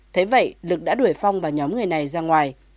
thế vậy lực đã đuổi phong và nhóm người này ra ngoài